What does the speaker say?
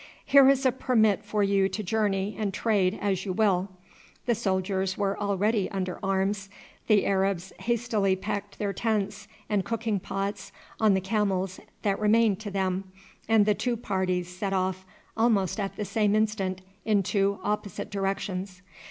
"Here is a permit for you to journey and trade as you will." The soldiers were already under arms, the Arabs hastily packed their tents and cooking pots on the camels that remained to them, and the two parties set off almost at the same instant in two opposite directions.